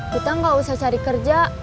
kita nggak usah cari kerja